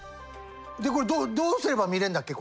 でこれどうすれば見れるんだっけ？